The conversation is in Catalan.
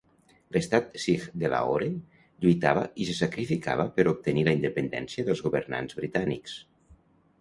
L'Estat Sikh de Lahore lluitava i se sacrificava per obtenir la independència dels governants britànics.